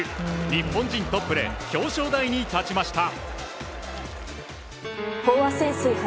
日本人トップで表彰台に立ちました。